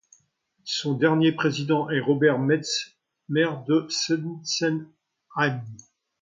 Son dernier président est Robert Metz, maire de Sessenheim.